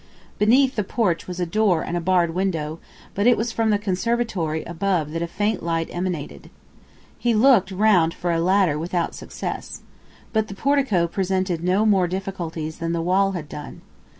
Beneath the porch was a door and a barred window, but it was from the conservatory above that a faint light emanated. He looked round for a ladder without success. But the portico presented no more difficulties than the wall had done.